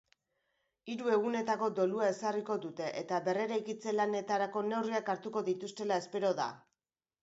Hiru egunetako dolua ezarriko dute eta berreraikitze lanetarako neurriak hartuko dituztela espero da.